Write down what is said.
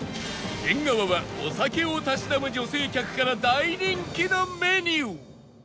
えんがわはお酒をたしなむ女性客から大人気のメニュー